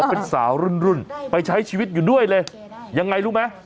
เป็นสาวรุ่นรุ่นไปใช้ชีวิตอยู่ด้วยเลยยังไงรู้ไหม